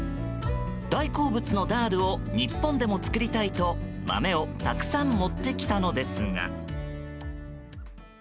大好物のダールを日本でも作りたいと豆をたくさん持ってきたのですが。